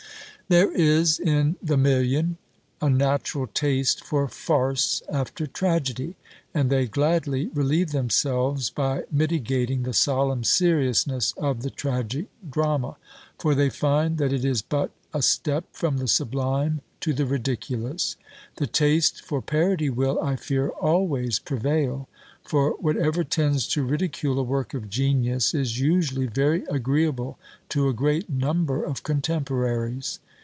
There is in "the million" a natural taste for farce after tragedy, and they gladly relieve themselves by mitigating the solemn seriousness of the tragic drama; for they find, that it is but "a step from the sublime to the ridiculous." The taste for parody will, I fear, always prevail: for whatever tends to ridicule a work of genius, is usually very agreeable to a great number of contemporaries.